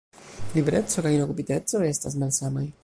Libereco kaj neokupiteco estas malsamaj.